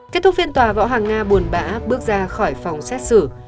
kết thúc phiên tòa võ hoàng nga buồn bã bước ra khỏi phòng xét xử